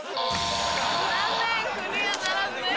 残念クリアならずです。